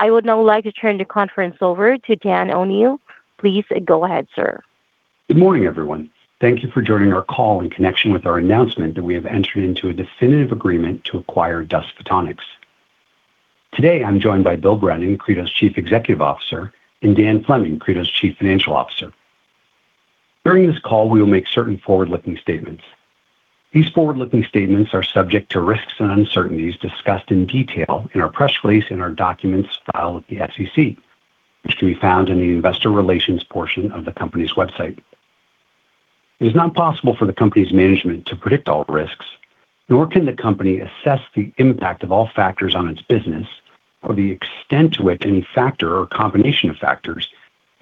I would now like to turn the conference over to Dan O'Neil. Please go ahead, sir. Good morning, everyone. Thank you for joining our call in connection with our announcement that we have entered into a definitive agreement to acquire DustPhotonics. Today, I'm joined by Bill Brennan, Credo's Chief Executive Officer, and Dan Fleming, Credo's Chief Financial Officer. During this call, we will make certain forward-looking statements. These forward-looking statements are subject to risks and uncertainties discussed in detail in our press release and our documents filed with the SEC, which can be found in the Investor Relations portion of the company's website. It is not possible for the company's management to predict all risks, nor can the company assess the impact of all factors on its business or the extent to which any factor or combination of factors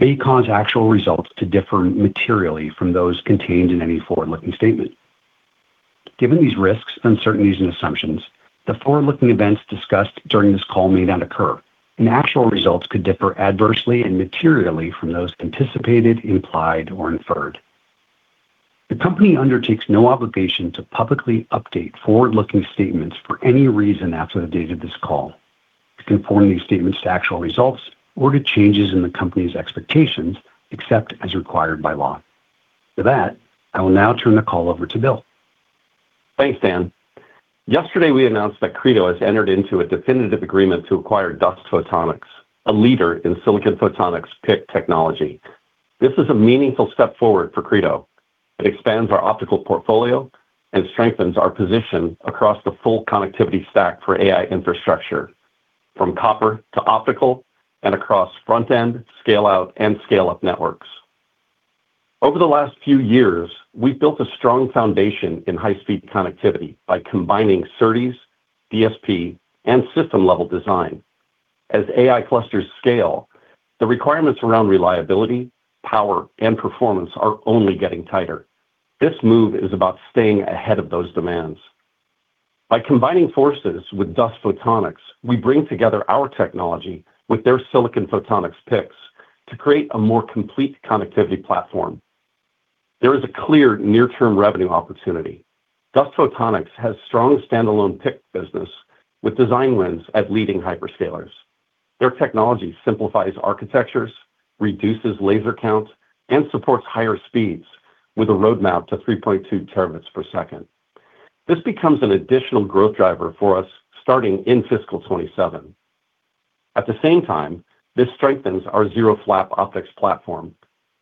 may cause actual results to differ materially from those contained in any forward-looking statement. Given these risks, uncertainties, and assumptions, the forward-looking events discussed during this call may not occur, and actual results could differ adversely and materially from those anticipated, implied, or inferred. The company undertakes no obligation to publicly update forward-looking statements for any reason after the date of this call to conform these statements to actual results or to changes in the company's expectations, except as required by law. With that, I will now turn the call over to Bill. Thanks, Dan. Yesterday, we announced that Credo has entered into a definitive agreement to acquire DustPhotonics, a leader in silicon photonics PIC technology. This is a meaningful step forward for Credo. It expands our optical portfolio and strengthens our position across the full connectivity stack for AI infrastructure, from copper to optical and across front-end, scale-out, and scale-up networks. Over the last few years, we've built a strong foundation in high-speed connectivity by combining SerDes, DSP, and system-level design. As AI clusters scale, the requirements around reliability, power, and performance are only getting tighter. This move is about staying ahead of those demands. By combining forces with DustPhotonics, we bring together our technology with their silicon photonics PICs to create a more complete connectivity platform. There is a clear near-term revenue opportunity. DustPhotonics has strong standalone PIC business with design wins at leading hyperscalers. Their technology simplifies architectures, reduces laser count, and supports higher speeds with a roadmap to 3.2 Tbps. This becomes an additional growth driver for us starting in fiscal 2027. At the same time, this strengthens our ZeroFlap optics platform.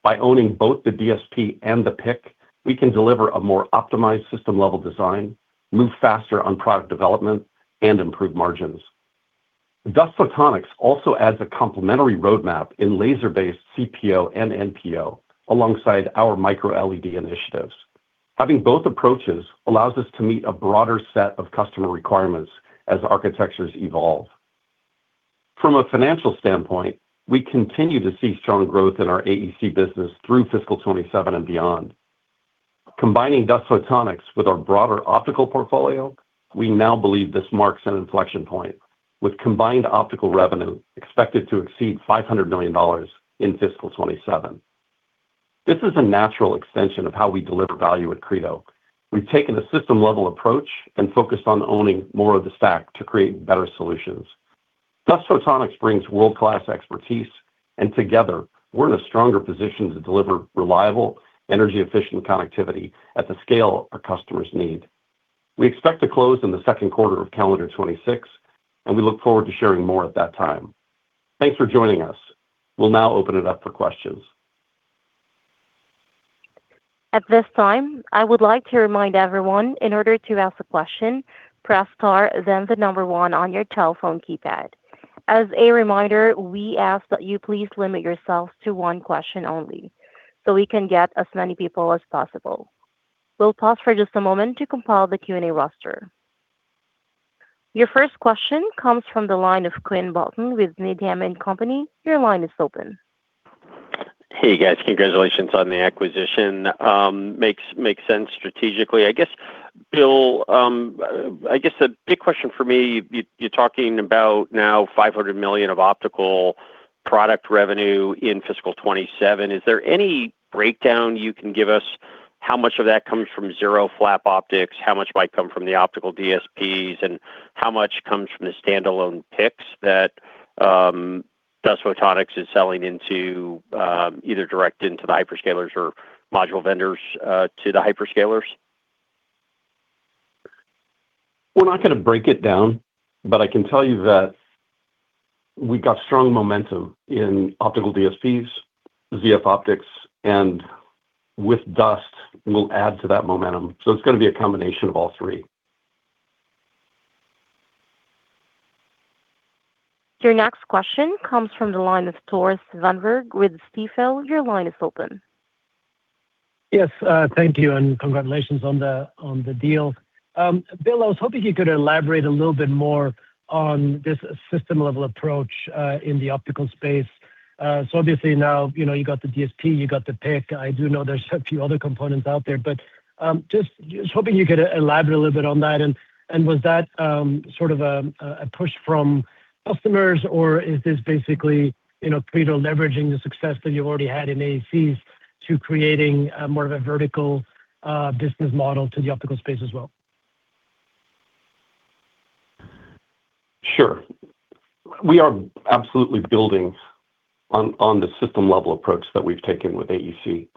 By owning both the DSP and the PIC, we can deliver a more optimized system-level design, move faster on product development, and improve margins. DustPhotonics also adds a complementary roadmap in laser-based CPO and NPO alongside our microLED initiatives. Having both approaches allows us to meet a broader set of customer requirements as architectures evolve. From a financial standpoint, we continue to see strong growth in our AEC business through fiscal 2027 and beyond. Combining DustPhotonics with our broader optical portfolio, we now believe this marks an inflection point with combined optical revenue expected to exceed $500 million in fiscal 2027. This is a natural extension of how we deliver value at Credo. We've taken a system-level approach and focused on owning more of the stack to create better solutions. DustPhotonics brings world-class expertise, and together, we're in a stronger position to deliver reliable, energy-efficient connectivity at the scale our customers need. We expect to close in the second quarter of calendar 2026, and we look forward to sharing more at that time. Thanks for joining us. We'll now open it up for questions. At this time, I would like to remind everyone, in order to ask a question, press star, then the number one on your telephone keypad. As a reminder, we ask that you please limit yourself to one question only so we can get as many people as possible. We'll pause for just a moment to compile the Q&A roster. Your first question comes from the line of Quinn Bolton with Needham & Company. Your line is open. Hey, guys. Congratulations on the acquisition. Makes sense strategically. I guess, Bill, the big question for me, you're talking about now $500 million of optical product revenue in fiscal 2027. Is there any breakdown you can give us how much of that comes from ZeroFlap optics, how much might come from the Optical DSPs, and how much comes from the standalone PICs that DustPhotonics is selling into either direct into the hyperscalers or module vendors to the hyperscalers? We're not going to break it down, but I can tell you that we got strong momentum in Optical DSPs, ZF Optics, and with Dust, we'll add to that momentum. It's going to be a combination of all three. Your next question comes from the line of Tore Svanberg with Stifel. Your line is open. Yes. Thank you, and congratulations on the deal. Bill, I was hoping you could elaborate a little bit more on this system-level approach in the optical space. Obviously now, you got the DSP, you got the PIC. I do know there's a few other components out there. Just hoping you could elaborate a little bit on that. Was that sort of a push from customers, or is this basically Credo leveraging the success that you've already had in AECs to creating more of a vertical business model to the optical space as well? Sure. We are absolutely building on the system-level approach that we've taken with AEC.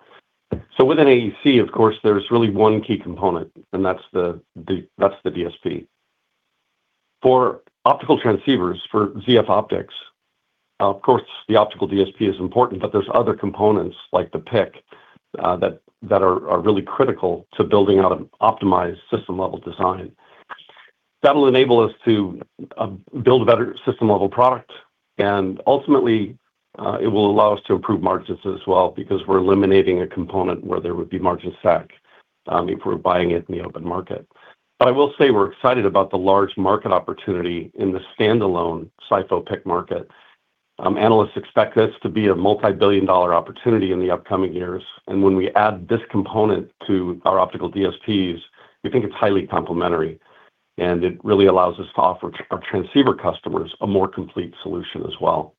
Within AEC, of course, there's really one key component, and that's the DSP. For optical transceivers, for ZF Optics, of course, the optical DSP is important, but there's other components like the PIC that are really critical to building out an optimized system-level design. That'll enable us to build a better system-level product, and ultimately, it will allow us to improve margins as well because we're eliminating a component where there would be margin stack if we're buying it in the open market. I will say we're excited about the large market opportunity in the standalone SiPho PIC market. Analysts expect this to be a multi-billion dollar opportunity in the upcoming years. When we add this component to our Optical DSPs, we think it's highly complementary, and it really allows us to offer our transceiver customers a more complete solution as well.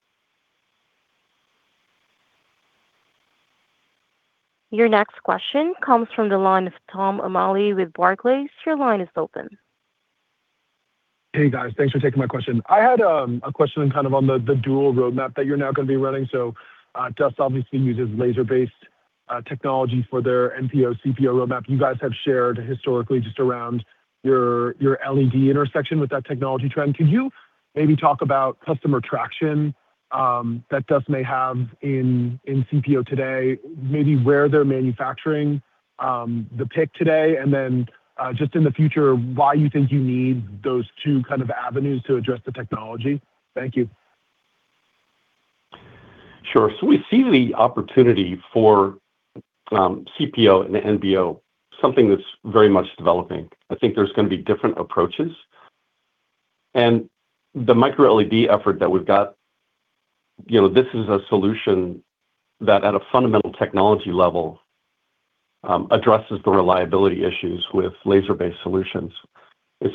Your next question comes from the line of Tom O'Malley with Barclays. Your line is open. Hey, guys. Thanks for taking my question. I had a question on the dual roadmap that you're now going to be running. Dust, obviously, uses laser-based technology for their NPO, CPO roadmap. You guys have shared historically just around your LED intersection with that technology trend. Can you maybe talk about customer traction that Dust may have in CPO today, maybe where they're manufacturing the PIC today, and just in the future, why you think you need those two avenues to address the technology? Thank you. Sure. We see the opportunity for CPO and NPO, something that's very much developing. I think there's going to be different approaches. The microLED effort that we've got, this is a solution that at a fundamental technology level, addresses the reliability issues with laser-based solutions.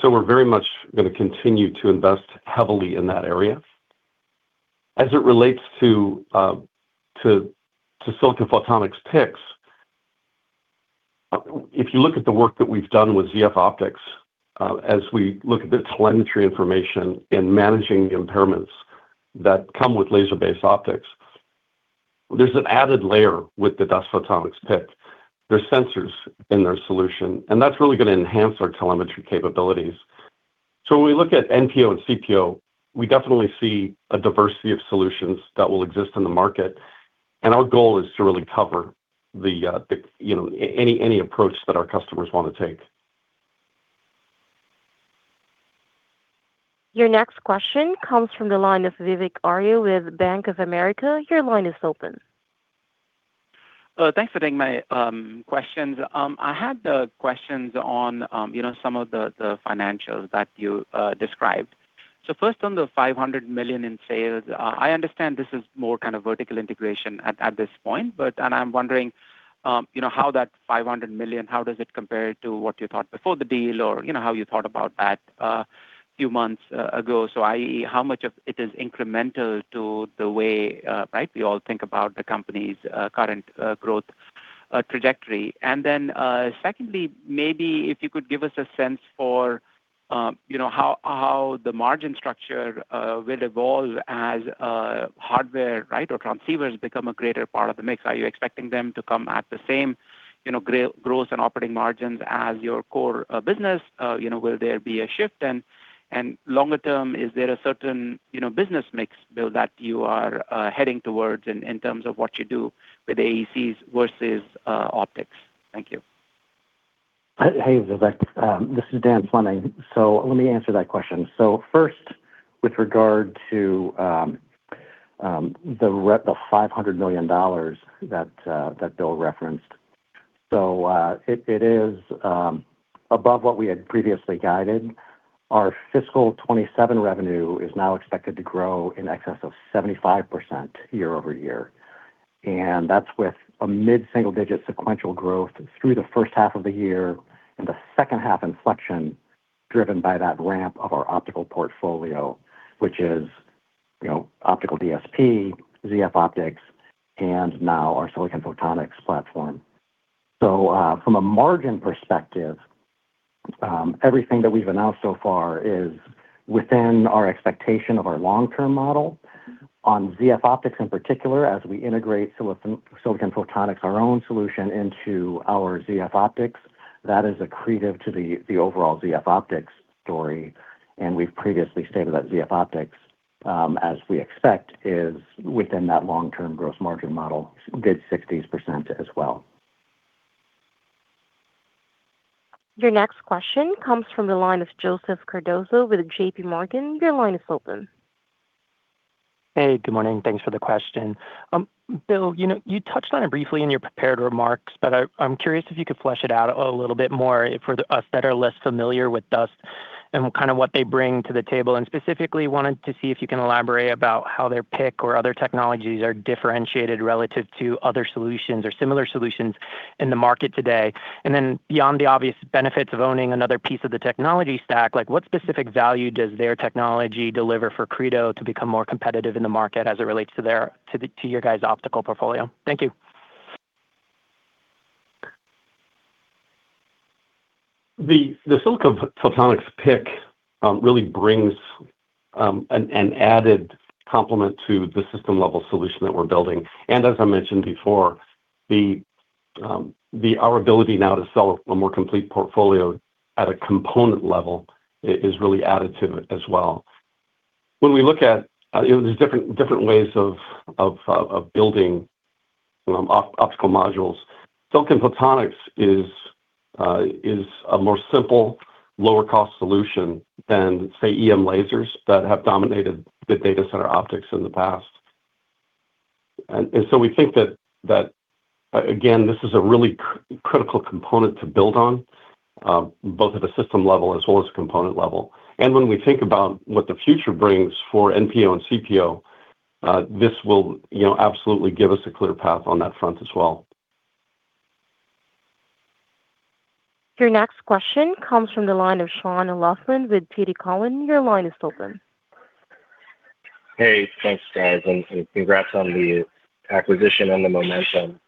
We're very much going to continue to invest heavily in that area. As it relates to silicon photonics PICs, if you look at the work that we've done with ZF Optics, as we look at the telemetry information in managing the impairments that come with laser-based optics, there's an added layer with the DustPhotonics PIC. There's sensors in their solution, and that's really going to enhance our telemetry capabilities. When we look at NPO and CPO, we definitely see a diversity of solutions that will exist in the market, and our goal is to really cover any approach that our customers want to take. Your next question comes from the line of Vivek Arya with Bank of America. Your line is open. Thanks for taking my questions. I had questions on some of the financials that you described. First, on the $500 million in sales, I understand this is more vertical integration at this point, and I'm wondering how that $500 million, how does it compare to what you thought before the deal or how you thought about that a few months ago? I.e., how much of it is incremental to the way, right, we all think about the company's current growth trajectory? Secondly, maybe if you could give us a sense for how the margin structure will evolve as hardware or transceivers become a greater part of the mix. Are you expecting them to come at the same growth and operating margins as your core business? Will there be a shift? Longer term, is there a certain business mix, Bill, that you are heading towards in terms of what you do with AECs versus optics? Thank you. Hey, Vivek. This is Dan Fleming. Let me answer that question. First, with regard to the $500 million that Bill referenced, it is above what we had previously guided. Our fiscal 2027 revenue is now expected to grow in excess of 75% year-over-year. That's with a mid-single-digit sequential growth through the first half of the year and the second half inflection driven by that ramp of our optical portfolio, which is Optical DSP, ZF Optics, and now our silicon photonics platform. From a margin perspective, everything that we've announced so far is within our expectation of our long-term model. On ZF Optics in particular, as we integrate silicon photonics, our own solution, into our ZF Optics, that is accretive to the overall ZF Optics story. We've previously stated that ZF Optics, as we expect, is within that long-term gross margin model, mid-60s% as well. Your next question comes from the line of Joseph Cardoso with JPMorgan. Your line is open. Hey, good morning. Thanks for the question. Bill, you touched on it briefly in your prepared remarks, but I'm curious if you could flesh it out a little bit more for us that are less familiar with Dust and what they bring to the table. Specifically, wanted to see if you can elaborate about how their PIC or other technologies are differentiated relative to other solutions or similar solutions in the market today. Beyond the obvious benefits of owning another piece of the technology stack, what specific value does their technology deliver for Credo to become more competitive in the market as it relates to your guys' optical portfolio? Thank you. The silicon photonics PIC really brings an added complement to the system-level solution that we're building. As I mentioned before, our ability now to sell a more complete portfolio at a component level is really added to it as well. There's different ways of building optical modules. Silicon photonics is a more simple, lower cost solution than, say, EML lasers that have dominated the data center optics in the past. We think that, again, this is a really critical component to build on, both at a system level as well as a component level. When we think about what the future brings for NPO and CPO, this will absolutely give us a clear path on that front as well. Your next question comes from the line of Sean O'Loughlin with TD Cowen. Your line is open. Hey, thanks, guys, and congrats on the acquisition and the momentum.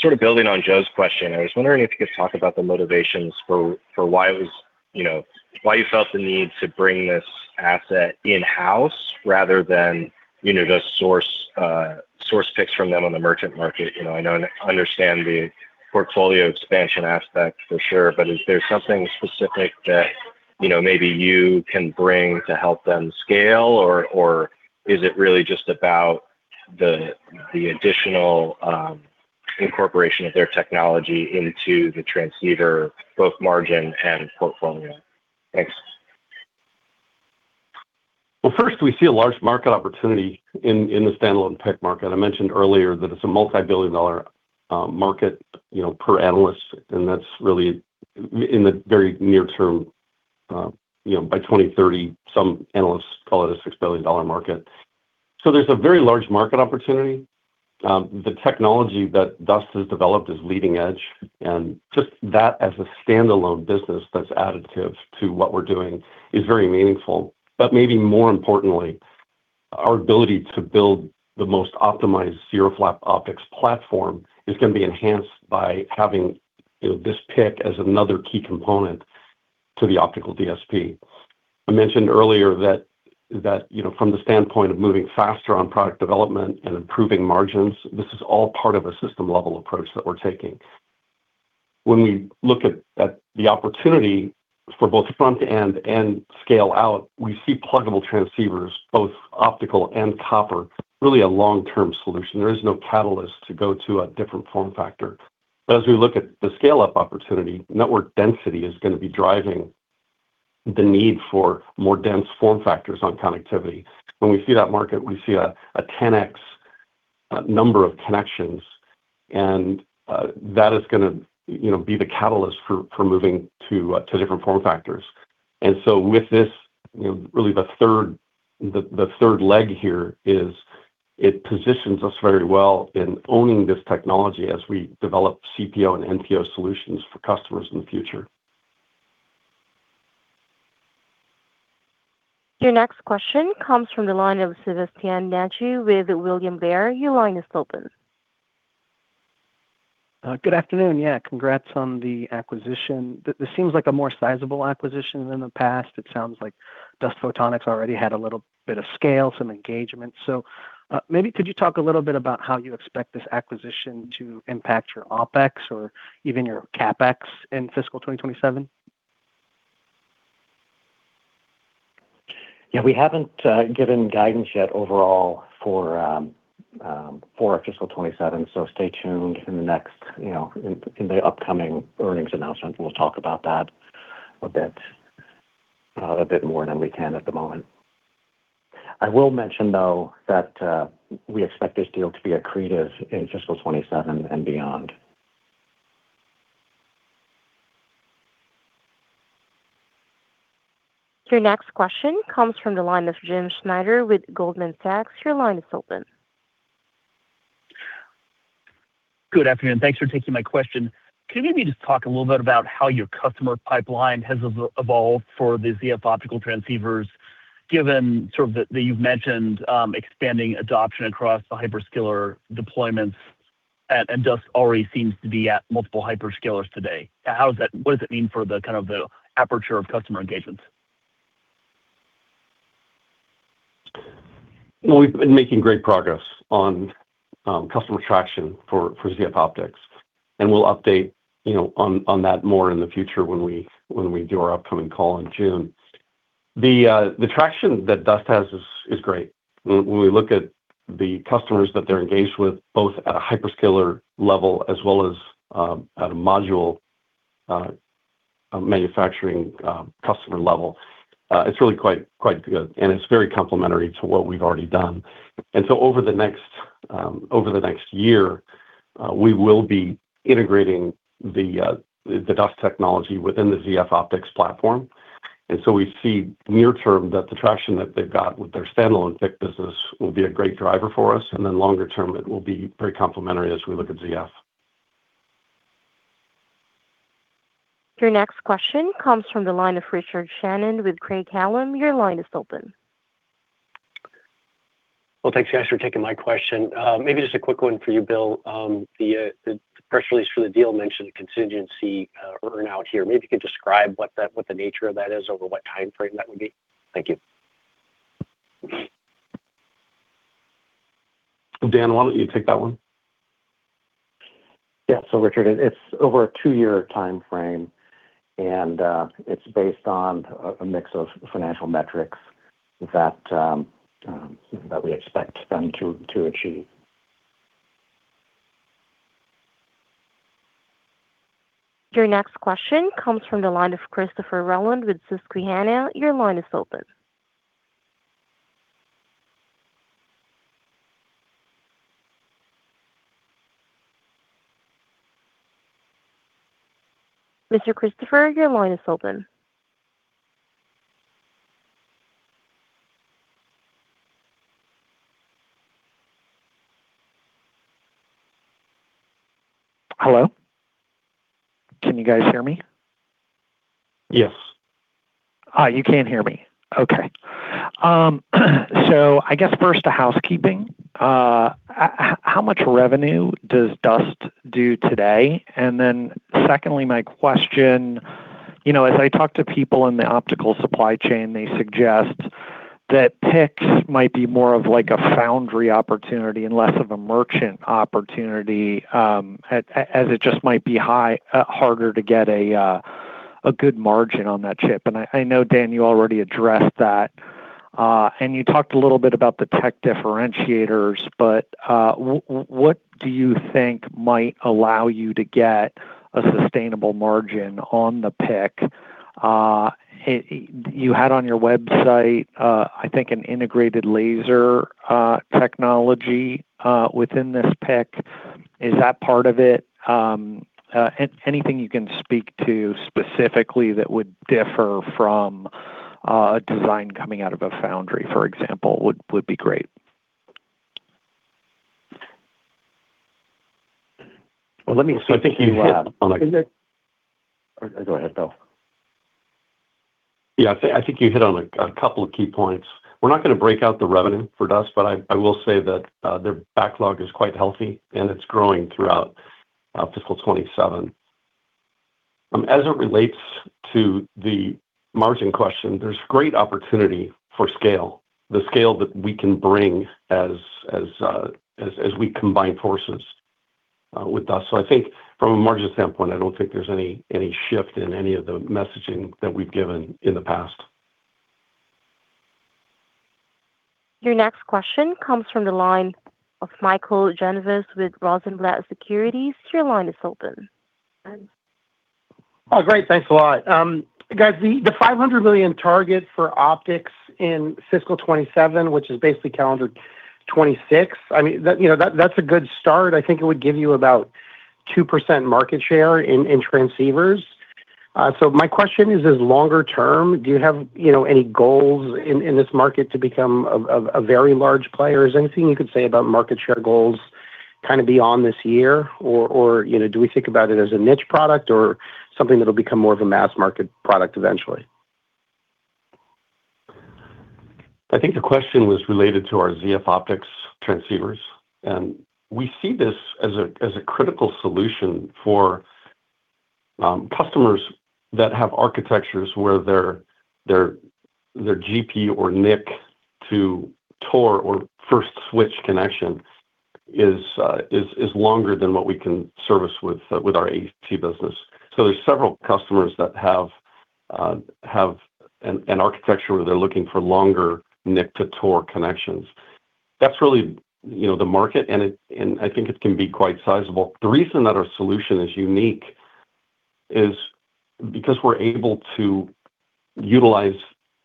Sort of building on Joe's question, I was wondering if you could talk about the motivations for why you felt the need to bring this asset in-house rather than just source PICs from them on the merchant market. I know and understand the portfolio expansion aspect for sure, but is there something specific that maybe you can bring to help them scale, or is it really just about the additional incorporation of their technology into the transceiver, both margin and portfolio? Thanks. Well, first, we see a large market opportunity in the standalone PIC market. I mentioned earlier that it's a multi-billion-dollar market per analyst, and that's really in the very near term. By 2030, some analysts call it a $6 billion market. There's a very large market opportunity. The technology that Dust has developed is leading-edge, and just that as a standalone business that's additive to what we're doing is very meaningful. Maybe more importantly, our ability to build the most optimized ZeroFlap optics platform is going to be enhanced by having this PIC as another key component to the Optical DSP. I mentioned earlier that from the standpoint of moving faster on product development and improving margins, this is all part of a system-level approach that we're taking. When we look at the opportunity for both front-end and scale-out, we see pluggable transceivers, both optical and copper, really a long-term solution. There is no catalyst to go to a different form factor. As we look at the scale-up opportunity, network density is going to be driving the need for more dense form factors on connectivity. When we see that market, we see a 10x number of connections, and that is going to be the catalyst for moving to different form factors. With this, really the third leg here is it positions us very well in owning this technology as we develop CPO and NPO solutions for customers in the future. Your next question comes from the line of Sebastien Naji with William Blair. Your line is open. Good afternoon. Yeah, congrats on the acquisition. This seems like a more sizable acquisition than the past. It sounds like DustPhotonics already had a little bit of scale, some engagement. Maybe could you talk a little bit about how you expect this acquisition to impact your OpEx or even your CapEx in fiscal 2027? Yeah. We haven't given guidance yet overall for fiscal 2027, so stay tuned in the upcoming earnings announcements. We'll talk about that a bit more than we can at the moment. I will mention, though, that we expect this deal to be accretive in fiscal 2027 and beyond. Your next question comes from the line of James Schneider with Goldman Sachs. Your line is open. Good afternoon. Thanks for taking my question. Could you maybe just talk a little bit about how your customer pipeline has evolved for the ZF optical transceivers, given sort of that you've mentioned expanding adoption across the hyperscaler deployments, and Dust already seems to be at multiple hyperscalers today? What does it mean for the aperture of customer engagements? Well, we've been making great progress on customer traction for ZF Optics, and we'll update on that more in the future when we do our upcoming call in June. The traction that Dust has is great. When we look at the customers that they're engaged with, both at a hyperscaler level as well as at a module manufacturing customer level, it's really quite good, and it's very complementary to what we've already done. Over the next year, we will be integrating the Dust technology within the ZF Optics platform. We see near term that the traction that they've got with their standalone PIC business will be a great driver for us, and then longer term, it will be very complementary as we look at ZF. Your next question comes from the line of Richard Shannon with Craig-Hallum. Your line is open. Well, thanks, guys, for taking my question. Maybe just a quick one for you, Bill. The press release for the deal mentioned a contingency earn-out here. Maybe you could describe what the nature of that is or what timeframe that would be? Thank you. Dan, why don't you take that one? Yeah. Richard, it's over a two-year timeframe, and it's based on a mix of financial metrics that we expect them to achieve. Your next question comes from the line of Christopher Rolland with Susquehanna. Your line is open. Mr. Christopher, your line is open. Hello. Can you guys hear me? Yes. You can hear me. Okay. I guess first, a housekeeping. How much revenue does Dust do today? Secondly, my question, as I talk to people in the optical supply chain, they suggest that PICs might be more of like a foundry opportunity and less of a merchant opportunity, as it just might be harder to get a good margin on that chip. I know, Dan, you already addressed that, and you talked a little bit about the tech differentiators, but what do you think might allow you to get a sustainable margin on the PIC? You had on your website, I think, an integrated laser technology within this PIC. Is that part of it? Anything you can speak to specifically that would differ from a design coming out of a foundry, for example, would be great. Well, let me see. I think you hit on a. Go ahead, Bill. Yeah. I think you hit on a couple of key points. We're not going to break out the revenue for Dust, but I will say that their backlog is quite healthy, and it's growing throughout fiscal 2027. As it relates to the margin question, there's great opportunity for the scale that we can bring as we combine forces with Dust. I think from a margin standpoint, I don't think there's any shift in any of the messaging that we've given in the past. Your next question comes from the line of Mike Genovese with Rosenblatt Securities. Your line is open. Oh, great. Thanks a lot. Guys, the $500 million target for optics in fiscal 2027, which is basically calendar 2026, that's a good start. I think it would give you about 2% market share in transceivers. My question is, longer term, do you have any goals in this market to become a very large player? Is there anything you could say about market share goals beyond this year? Do we think about it as a niche product or something that'll become more of a mass market product eventually? I think the question was related to our ZF Optics transceivers, and we see this as a critical solution for customers that have architectures where their GPU or NIC to TOR or first switch connection is longer than what we can service with our AEC business. There's several customers that have an architecture where they're looking for longer NIC to TOR connections. That's really the market, and I think it can be quite sizable. The reason that our solution is unique is because we're able to utilize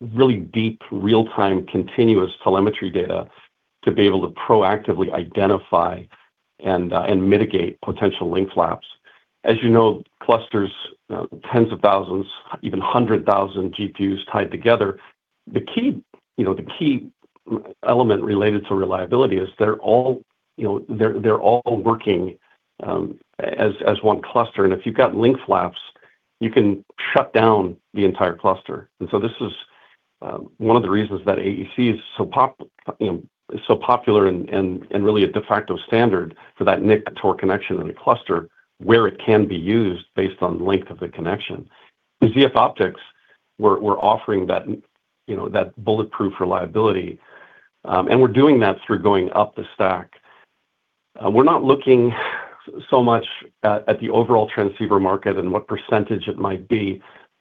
really deep, real-time, continuous telemetry data to be able to proactively identify and mitigate potential link flaps. As you know, clusters, tens of thousands, even 100,000 GPUs tied together, the key element related to reliability is they're all working as one cluster, and if you've got link flaps, you can shut down the entire cluster. And so this is one of the reasons that AEC is so popular and really a de facto standard for that NIC to TOR connection in a cluster where it can be used based on length of the connection. With ZF Optics, we're offering that bulletproof reliability, and we're doing that through going up the stack. We're not looking so much at the overall transceiver market and what percentage it might be,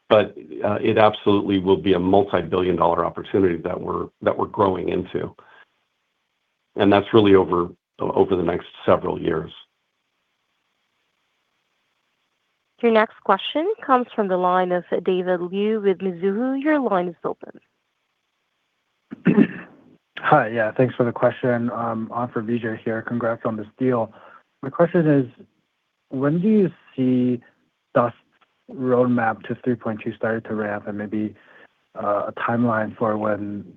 but it absolutely will be a multi-billion dollar opportunity that we're growing into, and that's really over the next several years. Your next question comes from the line of David Liu with Mizuho. Your line is open. Hi. Yeah, thanks for the question. On for Vijay here. Congrats on this deal. My question is, when do you see Dust's roadmap to 3.2 starting to ramp and maybe a timeline for when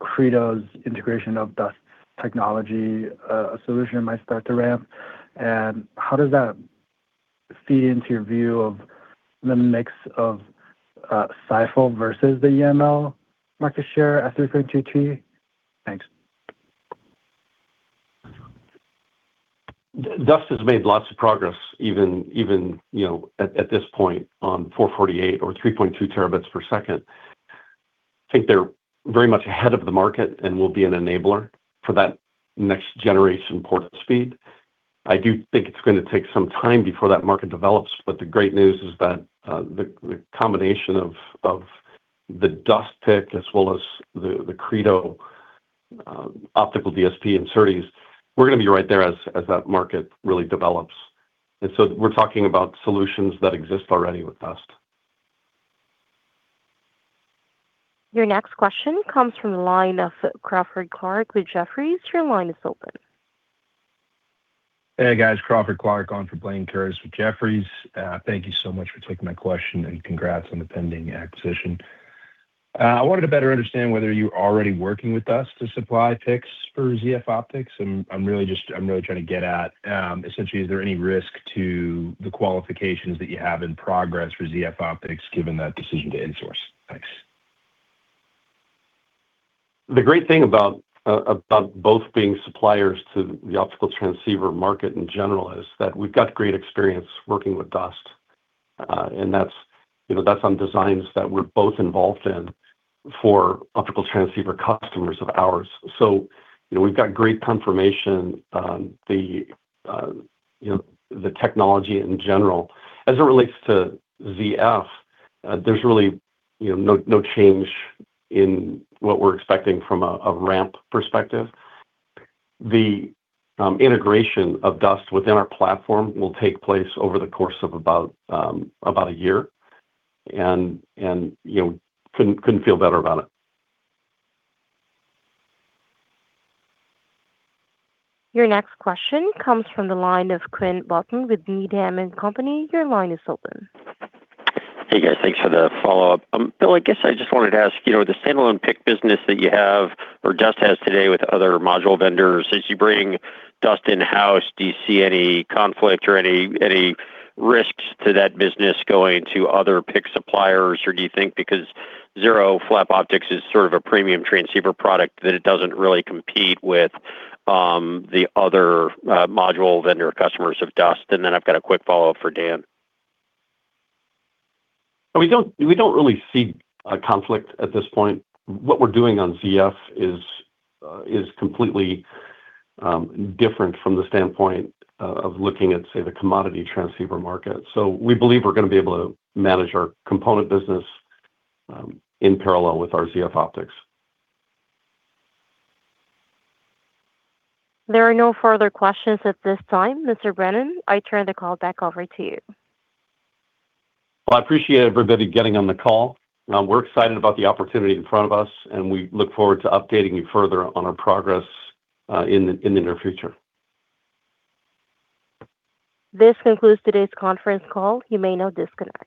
Credo's integration of Dust technology solution might start to ramp, and how does that feed into your view of the mix of SiPho versus the EML market share at 3.2? Thanks. Dust has made lots of progress, even at this point on 448G or 3.2 Tbps. I think they're very much ahead of the market and will be an enabler for that next-generation port speed. I do think it's going to take some time before that market develops, but the great news is that the combination of the Dust PIC as well as the Credo Optical DSP and SerDes, we're going to be right there as that market really develops. We're talking about solutions that exist already with Dust. Your next question comes from the line of Crawford Clarke with Jefferies. Your line is open. Hey, guys. Crawford Clarke on for Blayne Curtis with Jefferies. Thank you so much for taking my question, and congrats on the pending acquisition. I wanted to better understand whether you're already working with Dust to supply PICs for ZF Optics. I'm really trying to get at, essentially, is there any risk to the qualifications that you have in progress for ZF Optics given that decision to in-source? Thanks. The great thing about both being suppliers to the optical transceiver market in general is that we've got great experience working with Dust. That's on designs that we're both involved in for optical transceiver customers of ours. We've got great confirmation on the technology in general. As it relates to ZF, there's really no change in what we're expecting from a ramp perspective. The integration of Dust within our platform will take place over the course of about a year, and couldn't feel better about it. Your next question comes from the line of Quinn Bolton with Needham & Company. Your line is open. Hey, guys. Thanks for the follow-up. Bill, I guess I just wanted to ask, the standalone PIC business that you have or Dust has today with other module vendors, as you bring Dust in-house, do you see any conflict or any risks to that business going to other PIC suppliers? Do you think because ZeroFlap optics is sort of a premium transceiver product that it doesn't really compete with the other module vendor customers of Dust? I've got a quick follow-up for Dan. We don't really see a conflict at this point. What we're doing on ZF is completely different from the standpoint of looking at, say, the commodity transceiver market. We believe we're going to be able to manage our component business in parallel with our ZF Optics. There are no further questions at this time, Mr. Brennan. I turn the call back over to you. Well, I appreciate everybody getting on the call. We're excited about the opportunity in front of us, and we look forward to updating you further on our progress in the near future. This concludes today's conference call. You may now disconnect.